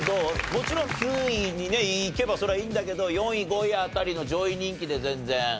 もちろん９位にいけばそれはいいんだけど４位５位辺りの上位人気で全然。